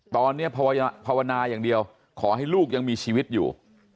ตอนนี้ภาวนาอย่างเดียวขอให้ลูกยังมีชีวิตอยู่